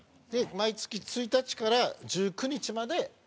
毎月１日から１９日まで『漫才大行進』。